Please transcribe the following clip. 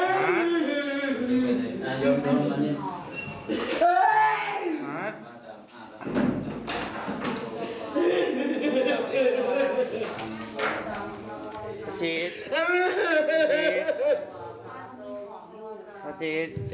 พระชีตพระชีตพระชีต